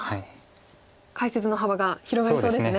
解説の幅が広がりそうですね。